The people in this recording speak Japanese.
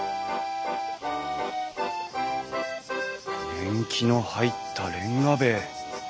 年季の入ったレンガ塀！